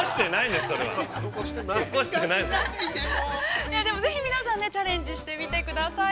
でも、ぜひ皆さん、チャレンジしてみてください。